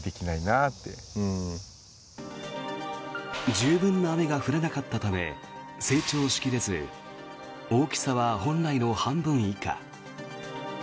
十分な雨が降らなかったため成長しきれず大きさは本来の半分以下。